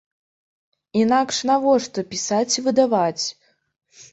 Інакш навошта пісаць і выдаваць?